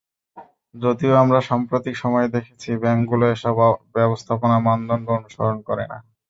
যদিও আমরা সাম্প্রতিক সময়ে দেখেছি, ব্যাংকগুলো এসব ব্যবস্থাপনা মানদণ্ড অনুসরণ করে না।